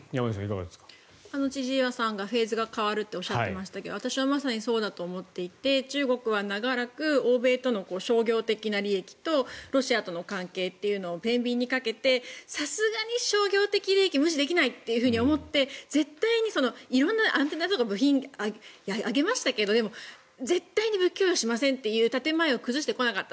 千々岩さんがフェーズが変わるとおっしゃっていましたが私は、まさにそうだと思っていて中国は長らく欧米との商業的な利益とロシアとの関係をてんびんにかけてさすがに商業的利益は無視できないと思って色んなアンテナとか部品をあげましたけど、でも、絶対に供与しませんという建前を崩してこなかった。